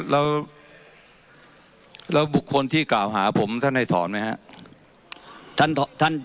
แล้วบุคคลที่กล่าวหาผมท่านให้ถอนไหมครับ